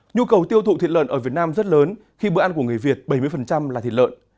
nhu cầu tiêu thụ thịt lợn ở việt nam rất lớn khi bữa ăn của người việt bảy mươi là thịt lợn